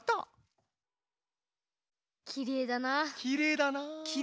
きれいだなあ。